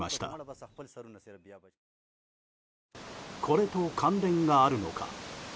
これと関連があるのか？